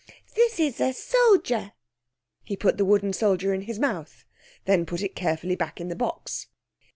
This is a soldier.' He put the wooden soldier in his mouth, then put it carefully back in the box.